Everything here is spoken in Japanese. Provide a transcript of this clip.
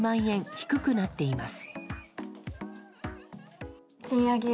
低くなっています。